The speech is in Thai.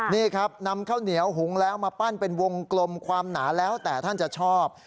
นี่ครับนำข้าวเหนียวหุงแล้วมาปั้นเป็นวงกลมความหนาแล้วแต่ท่านจะชอบ